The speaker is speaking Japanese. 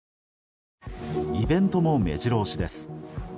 イベントも目白押しです。